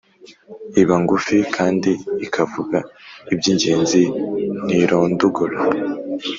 iba ngufi kandi ikavuga iby’ingenzi ntirondogore